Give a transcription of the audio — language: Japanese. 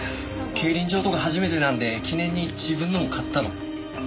競輪場とか初めてなんで記念に自分のも買ったの。